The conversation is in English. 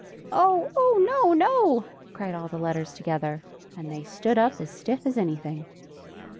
"Oh, oh; no, no!" cried all the letters together, and they stood up as stiff as any thing.